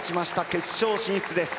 決勝進出です。